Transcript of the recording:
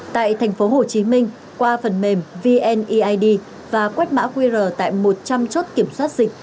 tại thành phố hồ chí minh qua phần mềm vneid và quét mã qr tại một trăm linh chốt kiểm soát dịch